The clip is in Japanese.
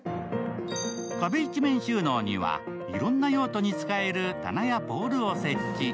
壁一面収納にはいろんな用途に使える棚やポールを設置。